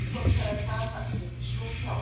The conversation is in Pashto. درملنه د ناروغ ژوند ښه کوي.